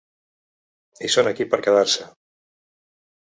I són aquí per quedar-se.